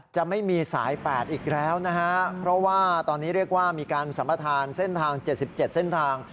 จะไม่มีสาย๘อีกแล้วนะฮะเพราะว่าตอนนี้เรียกว่ามีการสัมประธานเส้นทาง๗๗เส้นทาง